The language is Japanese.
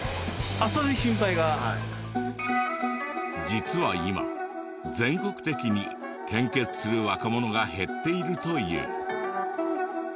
実は今全国的に献血する若者が減っているという。